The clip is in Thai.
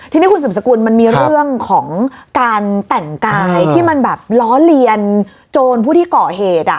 ทีนี้คุณสุมสกุลมันมีเรื่องของการแต่งกายที่มันแบบล้อเลียนโจรผู้ที่เกาะเหตุ